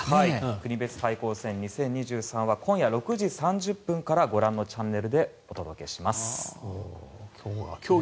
国別対抗戦２０２３は今夜６時３０分からご覧のチャンネルでお届けします。